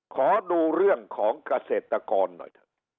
ขอดูเรื่องของเกษตรกรหน่อยเถอะ